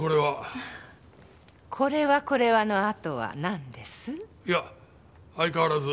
「これはこれは」のあとはなんです？いや相変わらず。